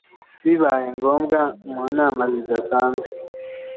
bibaye ngombwa mu nama zidasanzwe